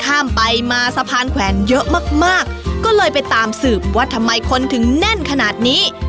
ข้ามไปมาสะพานแขวนเยอะมากมากก็เลยไปตามสืบว่าทำไมคนถึงแน่นขนาดนี้